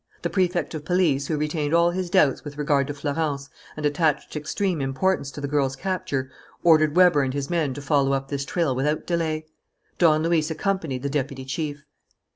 The Prefect of Police, who retained all his doubts with regard to Florence and attached extreme importance to the girl's capture, ordered Weber and his men to follow up this trail without delay. Don Luis accompanied the deputy chief.